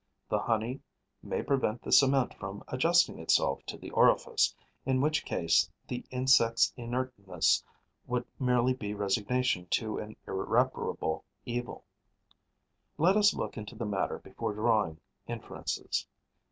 The honey may prevent the cement from adjusting itself to the orifice, in which case the insect's inertness would merely be resignation to an irreparable evil. Let us look into the matter before drawing inferences.